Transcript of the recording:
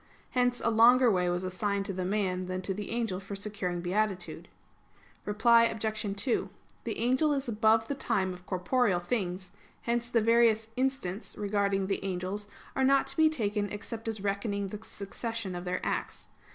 Hence a longer way was assigned to man than to the angel for securing beatitude. Reply Obj. 2: The angel is above the time of corporeal things; hence the various instants regarding the angels are not to be taken except as reckoning the succession of their acts.